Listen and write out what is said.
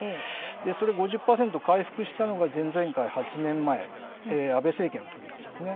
それ５０％回復したのが前々回・８年前、安倍政権のときなんですね。